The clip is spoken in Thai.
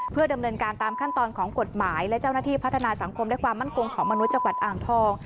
เพื่อดำเนินการตามขั้นตอนของกฎหมายและเจ้าหน้าที่พัฒนาสังคมและความมั่นคงของมนุษย์จังหวัดอ่างทอง